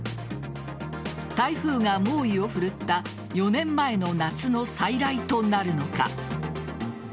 台風が猛威を振るった４年前の夏の再来となるのか。